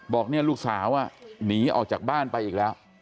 บอกเนี่ยลูกสาวหนีออกจากบ้านไปอีกแล้ว